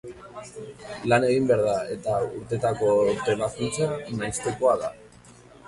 Lan egin behar da eta urtetako trebakuntza nahitaezkoa da.